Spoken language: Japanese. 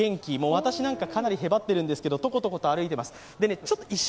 私なんかかなりへばっているんですけれども、トコトコと歩いています。